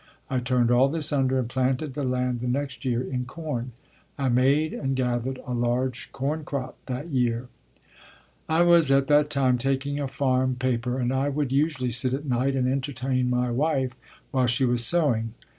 I turned all this under and planted the land the next year in corn. I made and gathered a large corn crop that year. I was at that time taking a farm paper and I would usually sit at night and entertain my wife, while she was sewing.